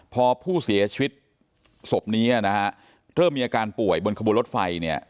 พอผู้เสียชีวิตศพนี้นะฮะเริ่มมีอาการป่วยบนขบวนรถไฟเนี่ย